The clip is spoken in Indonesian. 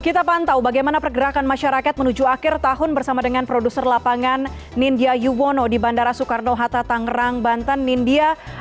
kita pantau bagaimana pergerakan masyarakat menuju akhir tahun bersama dengan produser lapangan nindya yuwono di bandara soekarno hatta tangerang banten nindya